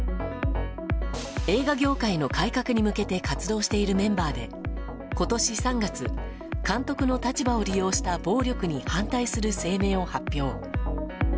映画業界の改革に向けて活動しているメンバーで今年３月監督の立場を利用した暴力に反対する声明を発表。